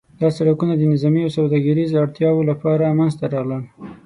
دا سړکونه د نظامي او سوداګریز اړتیاوو لپاره منځته راغلل.